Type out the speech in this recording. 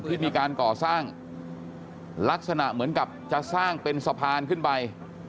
ที่มีการก่อสร้างลักษณะเหมือนกับจะสร้างเป็นสะพานขึ้นไป